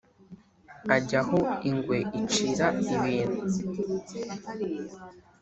ajya aho ingwe icira ibintu,